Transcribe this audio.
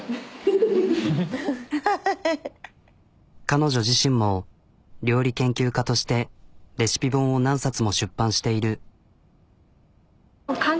彼女自身も料理研究家としてレシピ本を何冊も出版している。